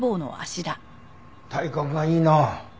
体格がいいな。